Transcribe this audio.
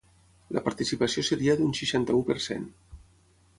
La participació seria d’un seixanta-u per cent.